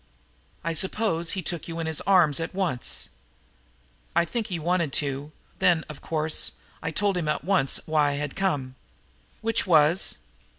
"I suppose he took you in his arms at once?" "I think he wanted to. Then, of course, I told him at once why I had come." "Which was?"